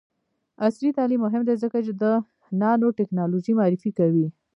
عصري تعلیم مهم دی ځکه چې د نانوټیکنالوژي معرفي کوي.